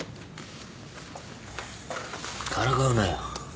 からかうなよ。